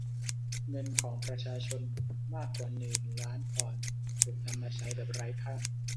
เงินของประชาชนมากกว่าหนื่นล้านปอนด์ถูกนำมาใช้แบบไร้ค่า